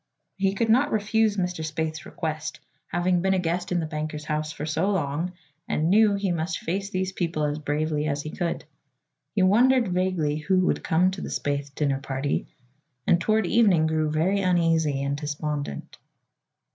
But he could not refuse Mr. Spaythe's request, having been a guest in the banker's house for so long and knew he must face these people as bravely as he could. He wondered, vaguely, who would come to the Spaythe dinner party, and toward evening grew very uneasy and despondent.